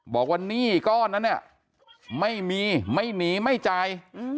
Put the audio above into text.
หนี้ก้อนนั้นเนี่ยไม่มีไม่หนีไม่จ่าย